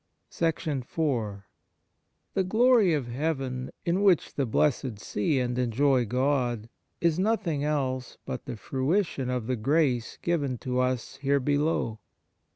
iv THE glory of heaven, in which the blessed see and enjoy God, is nothing else but the fruition of the grace given to us here below.